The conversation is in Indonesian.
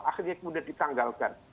akhirnya kemudian ditanggalkan